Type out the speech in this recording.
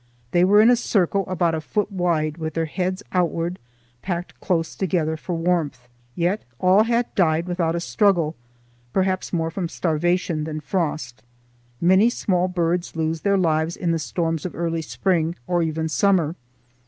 They were in a circle about a foot wide, with their heads outward, packed close together for warmth. Yet all had died without a struggle, perhaps more from starvation than frost. Many small birds lose their lives in the storms of early spring, or even summer.